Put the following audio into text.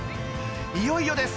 いよいよです。